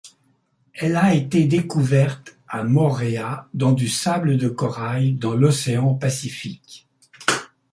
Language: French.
Elle a été découverte à Moorea dans du sable de corail dans l'océan Pacifique.